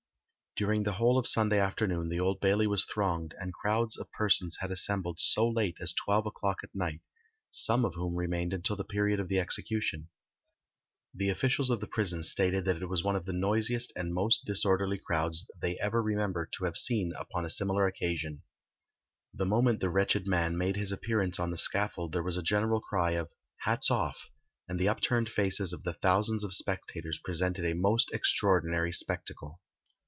During the whole of Sunday afternoon the Old Bailey was thronged, and crowds of persons had assembled so late as twelve o'clock at night, some of whom remained until the period of the execution. The officials of the prison stated that it was one of the noisiest and most disorderly crowds they ever remember to have seen upon a similar occasion. The moment the wretched man made his appearance on the scaffold there was a general cry of "hats off," and the upturned faces of the thousands of spectators presented a most extraordinary spectacle.